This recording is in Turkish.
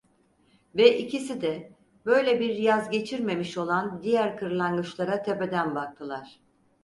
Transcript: Ve ikisi de, böyle bir yaz geçirmemiş olan diğer kırlangıçlara tepeden baktılar…